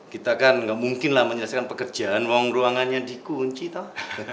kita kan gak mungkin lah menyelesaikan pekerjaan wang ruangannya di kunci tau